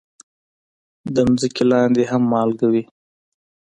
د ځمکې لاندې هم مالګه وي.